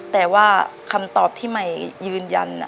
แต่ว่าคำตอบที่ใหม่ยืนยัน